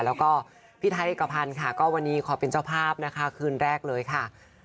แล้วก็พี่ไทยเอกพันธ์ค่ะก็วันนี้ขอเป็นเจ้าภาพนะคะคืนแรกเลยค่ะ